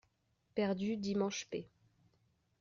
Perdu dimanche p.